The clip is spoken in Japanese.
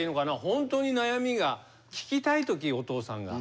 本当に悩みが聴きたいときお父さんが。